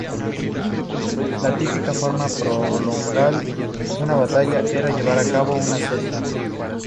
La típica forma de prolongar una batalla era llevar a cabo un asedio.